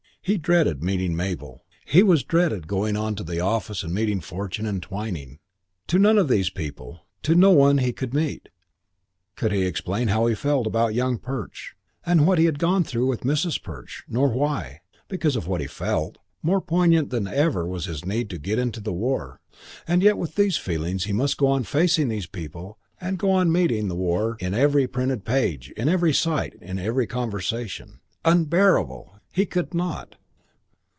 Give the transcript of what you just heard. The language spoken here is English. He dreaded meeting Mabel. He dreaded going on to the office and meeting Fortune and Twyning. To none of these people, to no one he could meet, could he explain how he felt about Young Perch and what he had gone through with Mrs. Perch, nor why, because of what he felt, more poignant than ever was his need to get into the war. And yet with these feelings he must go on facing these people and go on meeting the war in every printed page, in every sight, in every conversation. Unbearable! He could not.